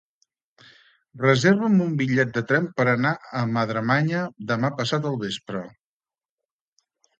Reserva'm un bitllet de tren per anar a Madremanya demà passat al vespre.